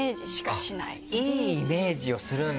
いいイメージをするんだ！